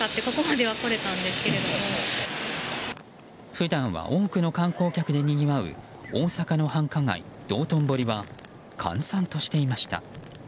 普段は多くの観光客でにぎわう大阪の繁華街・道頓堀は閑散としていました。